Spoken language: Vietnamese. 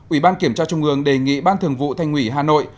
ủy ban kiểm tra trung ương đề nghị ban thường vụ thành ủy hà nội